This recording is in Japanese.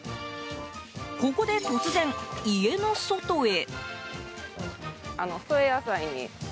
ここで突然、家の外へ。